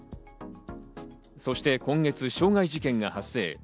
そして今月、先月、傷害事件が発生。